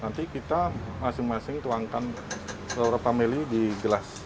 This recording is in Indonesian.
nanti kita masing masing tuangkan laura pameli di gelas